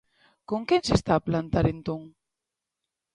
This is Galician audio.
Con que se está a plantar entón?